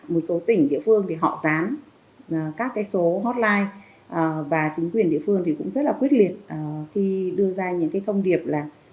một số tỉnh địa phương thì họ dán các cái số hotline và chính quyền địa phương thì cũng rất là quyết liệt khi đưa ra những cái thông điệp là